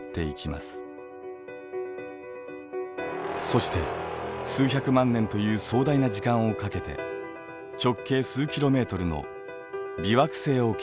そして数百万年という壮大な時間をかけて直径数キロメートルの微惑星を形成します。